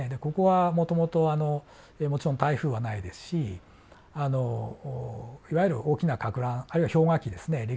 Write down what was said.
ここはもともともちろん台風はないですしいわゆる大きなかく乱あるいは氷河期ですね